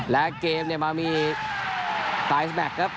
และเกมเนี่ยมามีตายสมัครครับ